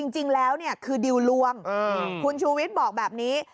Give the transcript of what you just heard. จริงแล้วคือดิวลวงคุณชูวิทย์บอกแบบนี้